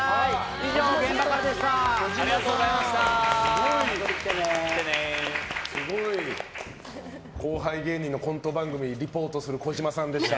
以上、現場からでした。